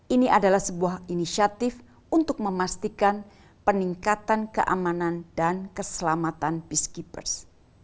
ini adalah sebuah inisiatif untuk memastikan peningkatan keamanan dan keselamatan peacekeepers